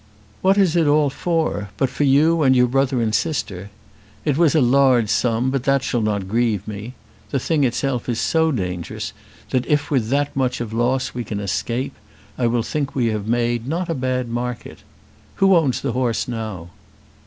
What is it all for but for you and your brother and sister? It was a large sum, but that shall not grieve me. The thing itself is so dangerous that, if with that much of loss we can escape, I will think that we have made not a bad market. Who owns the horse now?"